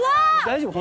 大丈夫？